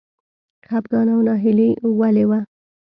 خپګان او ناهیلي ولې وه.